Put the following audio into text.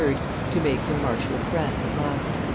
to make him Marshal of France at last.